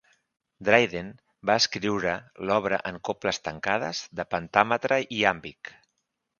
Dryden va escriure l'obra en coples tancades de pentàmetre iàmbic.